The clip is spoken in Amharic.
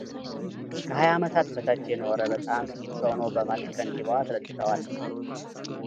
ከሀያ ዓመታት በታች የኖረ በጣም ጥቂት ሰው ነው በማለት ከንቲባዋ አስረድተዋል፡፡